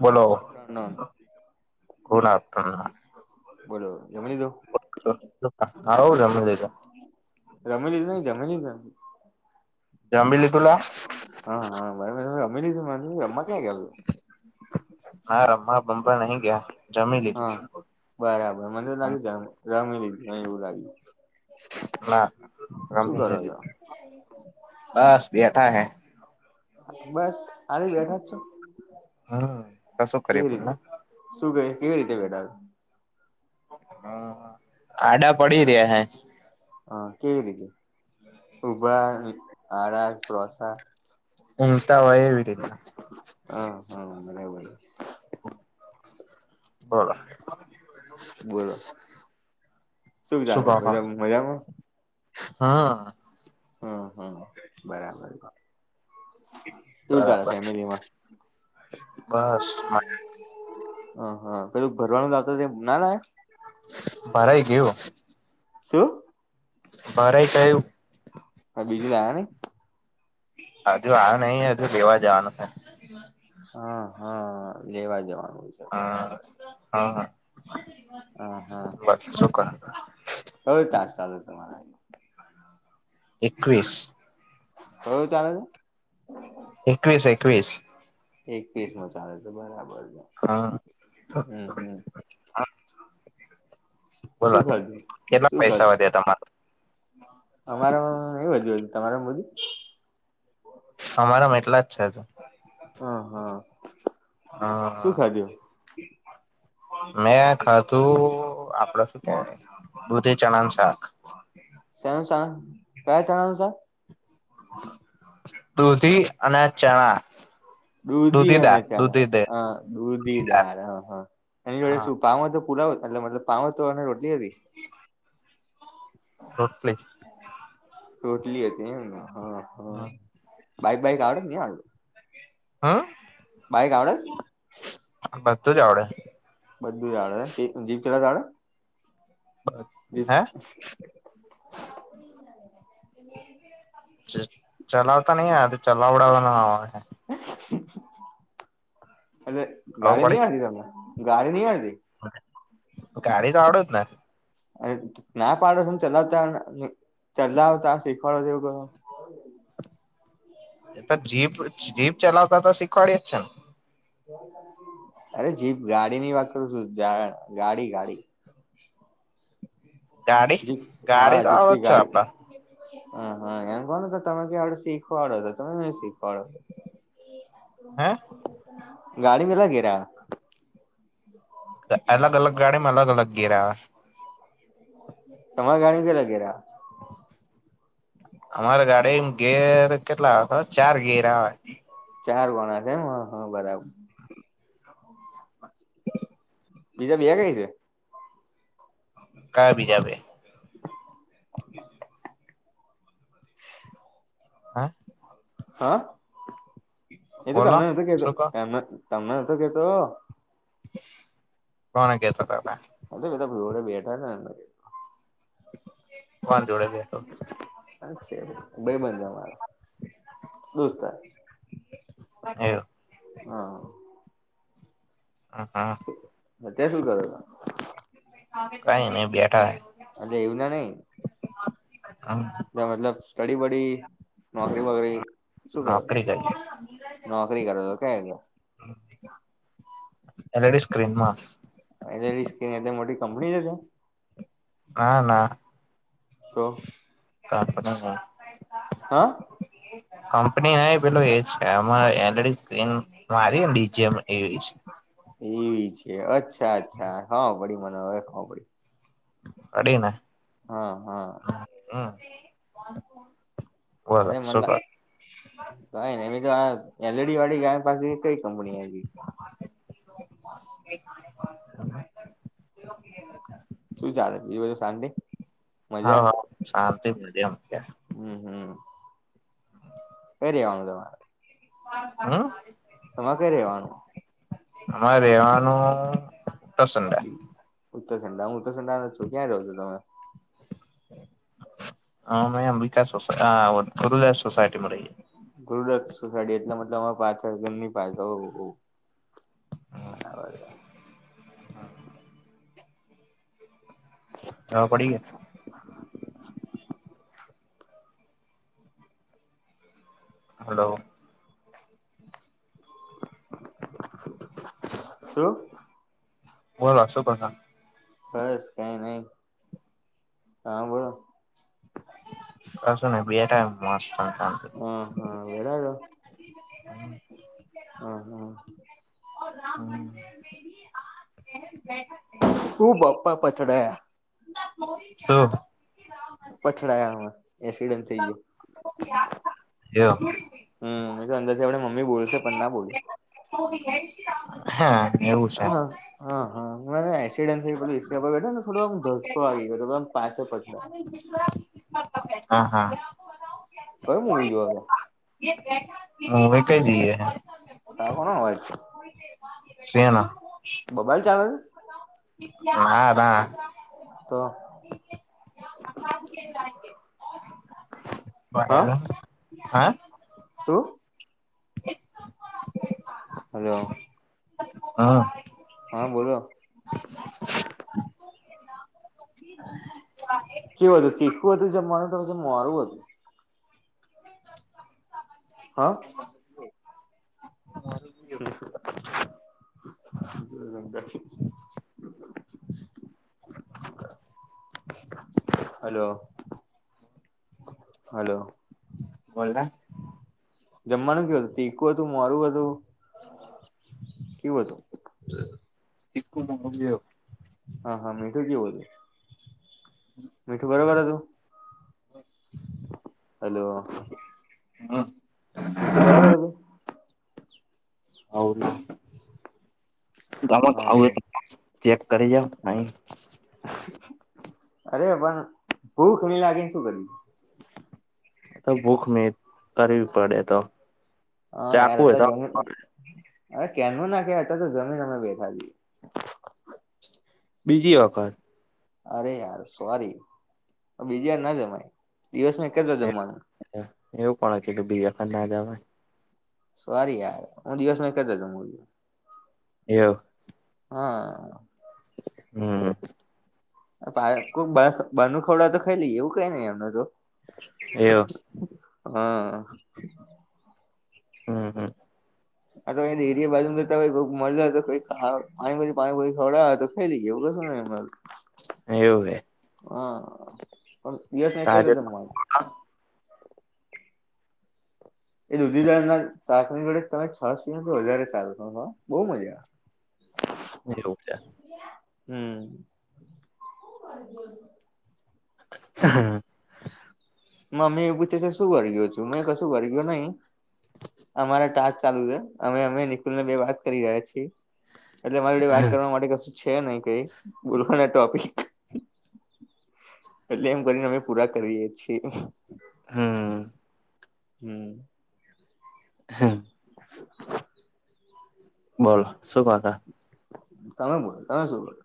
બોલો. Good afternoon [unintelligible] બોલો, જમી લીધું? આવું જમી લીધું જમી લીધુ જમી લીઘુ. જમી લીધુ લા. હા-હા. [unintelligible] હા, રમવા ભમબા નહી ગયા જમી હા લીધું. બરાબર, મને તો લાગી જ રમી લીધું એવું લાગ્યું. ના શું રમી કરો ની છો લીધું બસ બેઠા હે. બસ. ખાલી બેઠા જ છો હા. કેવી રીતે? શું કેય કેવી રીતે બેઠા? હા-હા આડા પડી રહ્યા હે. હ કેવી રીતે ઉભા ને આડા પ્રોસા. ઉંગતા હોય એવી રીતના. હા-હા બરાબર છે. બોલો. બોલો. શું ચાલે કહો હો બધા મજામાં. હમ હમ્મ-હમ્મ બરાબર. કેવું ચાલે બરાબર ફેમિલીમાં. બસ હ હા પેલું ભરવાનું લાવતા તેમ ના લાયા. ભરાાઈ ગ્યું. શું? ભરાઈ ગયું. તો બીજું લાયા નઈ. હજુ આઓ નઈ હજુ લેવા જવાનું છે. [unintelligible] હા-હા લેવા જવાનું છે. બરાબર હા-હા. હ હા ક્યુ ટાસ્ક ચાલુ તમારા. એકવીસ. ક્યુ ચાલે છે. એકવીસ-એકવીસ. એકવીસમો ચાલે છે બરાબર. છે હા. હમ હમ બોલલો શું ખાધું કેટલા શું પૈસા ખાધું વધ્યા તમારા? અમારામાં એ બધું હતું તમારામ બધું. અમારામાં એટલા જ છે જ. હ હા હા શું હા. ખાધું મેં ખાધું આપડ શું કે, દૂધી ચણાનું શાક. સે સ ક્યા છેનું છ. દૂધી અને ચણા. દૂધી અને દાળ ચ દૂધી દે હ દૂધીદાર હ, હા એની જોડે હા સુ પાાવ તો પુલાવ એટલે મતલ પાવ તો રોટલી હતી. રોટ પ્લે. ટોટલી હતી એમને હા. હા. બઈક બઈક આવડ નની આ આવું? હા? બાઈક આવડે છે? બધું જ આવડે. બધું જાાડે જીભ કેટલાડે? હે [unintelligible] ચલાવતા નહી તો ચલાવડાવવાના. એટ ગાડી ખબર નહ આતી તમે ગાડી નહ આવીતી? ગાડી તો આવડત ના. અને ના પાડો ત ચલાવ ત ચલાવ ત શીખવાડો જેવું ક. એ તો જીપ જીપ ચલાવતા તો શીખવાડીય જ છે ને. અરે જીપ ગાડી ની વાત કરું છું ગાડી ગાડી. ગાડી જીપ્ હા ગાડી તો આવડે જીપસી જ છે આપડા ગાડી. હ હા એમ કો તો તમે કડ શીખવાડો હતો તમે ન શીખવાડો. હા. ગાડી મ લાગેરા. અલગ અલગ ગાડી માં અલગ અલગ ઘેરેયા. તમારે ઘણી ક લગેયા. અમારે ગાડી ગેર કેટલા આવે ચાર ગિર આવે. ચાર ગણા છે ને હ હા બરાબર. બીજા બે કઈ છે? કા ભી જાવ? [inaudible] હા. હા, એ તો બોલો તમને ન કેતો શું કો તમનેતો કેતો. કોને કેતા તમે. અ એટા ભે બેઠા તા. વાંધડે બે. છે ભાઈબંધ જર દુસ્ત. એવું. હા. હ હા. અત્યારે શું કરો તો? કઈ નઈ બેઠા હે અને એવું ના નઈ આ ત મતલબ સ્ટડી વડી નોકરી વગેરી શું કરો? નોકરી કરી નોકરી કરો [unintelligible] એલ ઈ ડી સ્ક્રીનમાં એલ ઈ ડી સ્ક્રીન એટલી મોટી કમ્પની છે ત્યાં હા ના તો કંપની હા હે કંપની હે પેલો એ છે અમારે L E D screen [unintelligible] DG એવી છે એવી છે અચ્છા અચ્છા હા પડી મને હવે ખબર પડી પડી ન હા હા હા અરે મહનલ કઈને એમ તો આ એલ ઈ ડી વાળી ગા શું ચાલે બીજું બધું શાંતી? હા શાંતિ [unintelligible] હમ્મ, હમ્મ કેદી આવાનું તમારે હવે? અ તમારે કઈ રેવાનું? અમારે રહેેવાનું ઉત્તરસન્ડે ઉત્તરખંડા હું ઉત્તરખંડા નો જ છું ક્યાં રહ્યો છો તમે અમે આમ વિકાસ સોસાય આ કુરલે સોસાયટીમાં રહીએ ગુરદક્ષ સોસાયડી એટલા મતલબ અમાં પાછાળ ઘર ની પાછળ ઓ ઓ બરાબર તો હા ખબર પડી ગઈ હલો શું? બોલો શું પ્રસંગ? બસ કઈ નહી હા બોલો પ્રસંગ બે ટાઈમ મસ્ત કામ ક હા, હા, વેડા હ હા. હા સુ બપ્પા પછડે સોં પછડાયામાં એસિડન્ટ ચાઈયે યે દયો હમ્મ મે તો અંદાજ એવડે મમ્મીલશે પણ ના બોલી હા એવું છે હ-હ મને એકસીડન્ટ થયો પેલું હીંચકા પર બેઠો થોડો આમ ધક્કો આવી ગયો આમ પાછો હા-હા. ક્યુ મુવી જોવા કો? હવે કઈ જઈએ હ. આ કોનો અવાજ? શેનો? બબાલ ચાલે છે. ના-ના. તો. કે જાયે છે. હા બાયલા હે? શું? હલો. હા. હા બોલો. કેવું હતું તીખું હતું જમવાનું કે પછી મોરૂ હતું. હ? [inaudible] [inaudible] હલો. હલો. બોલ ને. જમવાનું કેવું હતું. તીકું હતું મોરુ હતું. કેવું હતુ. તીખું ને મારુ બેવ. હા-હા મીઠુ કેવું હતું. [inaudible] મીઠું બરાબર હતું? હલો. હમ્મ. મીઠું બરાબર હતુ? હોવ ચાલો હા ખાઉ હોય હા તો. ચેક કરી જાઓ આઇન. અરે પણ ભૂખ ની લાગીને શું કર્યું. કેમ ભૂખ નઈ કરવી પડે એ તો. હા યાર ચાકુ હોય અતાર તો જમીન અરે ક્યારનું ના કેવાય અતાર તો જમીન અમે બેઠા છીએ. બીજી વખત. અરે યાર સોરી બીજી વાર ના જમાય દિવસમા એક જ વાર જમવાનું. એવું કોને કીધું કે બીજી વાર તને ના જમાય. સોરી યાર હું દિવસમાં એક જ વાર જમું છુ. એવુ. હા. હમ્મ. આ બાયો કોણ બાર બારનુ ખવડાવે તો ખઈ લઈએ એવું કઈ નઈ એમને તો. એવુ. હા. હમ્મ હમ્મ. આ તો એન એરિયા બાજુમા જતા મળ્યો હોય તો પાણી પૂરી પાણી પૂરી ખવડાવે તો ખઈ લઈ એ એવું કશું નઈ એમાં એવું હે હા પણ દિવસ તો ના કેવી આજે રીતના જમવાનું એવુ દુધીદાર ના શાક ની જોડે તમે છાસ પીવું તો વધારે સારું બહુ મજા આવે એવું છે. હમ્મ. [unintelligible] હા. મમ્મી એ પૂછે છે શું વરગયો છું મેં કશું વરગયો નહી અમારે ટાસ્ક ચાલુ છે અમે અમે નિકુલ ને બે વાત કરી રહ્યા છીએ. એટલે મારી જોડે વાત કરવા માટે કશું છે નહી કઈ બોલવાના ટોપિક એટલે એમ કરીને અમે પૂરા કરીએ છીએ. હમ્મ. હમ્મ. [unintelligible] [inaudible] બોલો શું કોત તમે બોલો તમે શું બોલો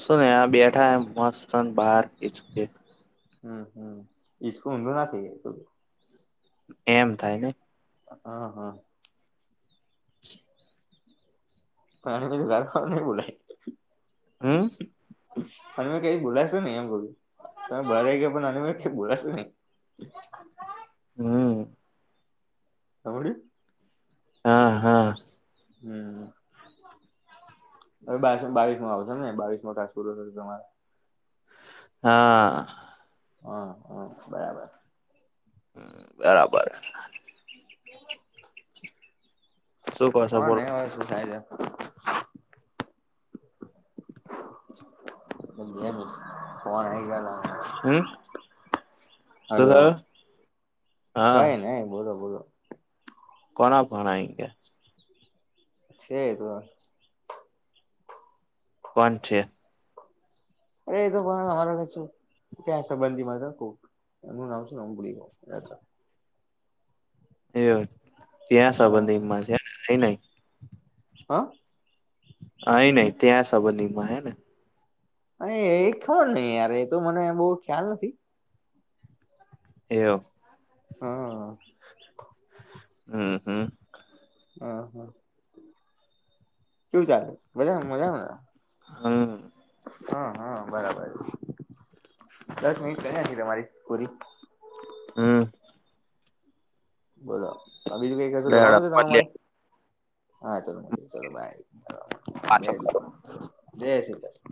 કસુ ને આ બેઠા હૈ મસ્તન બહાર ખીચકે હમ્મ હમ્મ ઈ તું ઊધું ના શીખે તું એમ થાય ને હ અ હ [unintelligible] નહી બોલાઈ હમ્મ. અને મેં કઈ બોલાશે નહી એમ બોલું તમે બહાર આવી ગયા પણ અને મે બોલાશે નહી. હમ્મ. સાંભળ્યું. હા હા. હમ્મ હમ્મ. હવે બાર બાવીસમાં આવશે ને બાવીસમો ટાસ્ક પૂરો થશે તમારે હા. હા હમ્મ બરાબર. હમ્મ બરાબર. શું કહો છો હો બોલો નહી હોય સાહેબ જાવા બે ફોન આઈ ગયા ને હવે હમ્મ. હલો હા કઈ નઈ બોલો બોલો કોના ફોન આઈ ગયા. છે એ તો હ કોણ છે. અરે એ તો પણ અમારા વચું ક્યાં સંબંધીમાં જ હતું. એનું નામ છે ઉબલી કઉ એટલે એ ત્યાં હા સંબંધીમાં છે નઈ નઈ હા. આઈ નઈ ત્યાં સંબંધીમાં હેને અ એ [unintelligible] યાર એ તો મને બહૂ ખ્યાલ નથી એઉ હા હમ્મ, હમ્મ હ હા શું ચાલે છે બધા મજામાં ના હમ્મ. હા હા બરાબર દસ મિનિટ કરી નાખી તમારી પુરી હમ્મ. બોલો અભિજભાઈ કશું કરવાનું છે તમ તમારે હા ચાલો મિલતે હૈ ચાલો બાય હા જય શ્રી કૃષ્ણ જય શ્રી કૃષ્ણ